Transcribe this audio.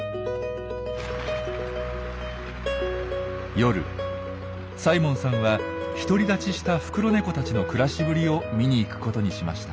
夜サイモンさんは独り立ちしたフクロネコたちの暮らしぶりを見に行くことにしました。